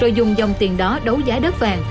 rồi dùng dòng tiền đó đấu giá đất vàng